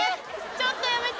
ちょっとやめて。